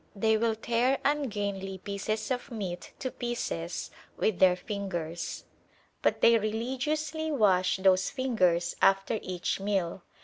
They will tear ungainly pieces of meat to pieces with their fingers; but they religiously wash those fingers after each meal.